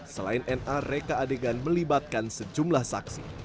selain na reka adegan melibatkan sejumlah saksi